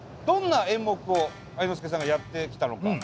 どんな演目を愛之助さんがやってきたのか。